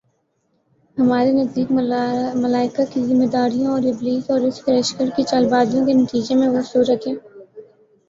ہمارے نزدیک، ملائکہ کی ذمہ داریوں اور ابلیس اور اس کے لشکر کی چالبازیوں کے نتیجے میں وہ صورتِ